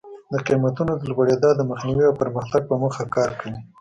د قیمتونو د لوړېدا د مخنیوي او پرمختګ په موخه کار کوي.